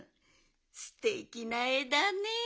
すてきなえだね。